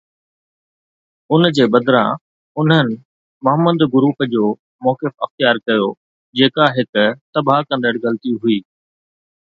ان جي بدران، انهن مهمند گروپ جو موقف اختيار ڪيو، جيڪا هڪ تباهه ڪندڙ غلطي هئي.